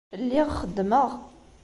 Lliɣ xeddmeɣ.